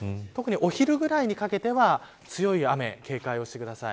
特にお昼ぐらいにかけては強い雨に警戒してください。